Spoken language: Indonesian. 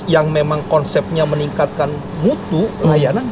yang memang konsepnya meningkatkan mutu layanan